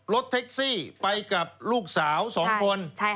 รถแท็กซี่ไปกับลูกสาว๒คน